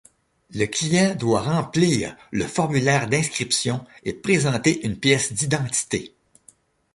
Le client doit remplir le formulaire d'inscription et présenter une pièce d'identité.